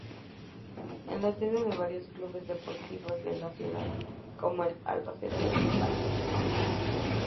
Es la sede de varios clubes deportivos de la ciudad como el Albacete Basket.